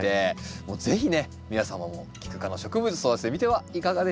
もう是非ね皆様もキク科の植物育ててみてはいかがでしょうか？